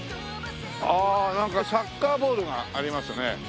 ああなんかサッカーボールがありますね。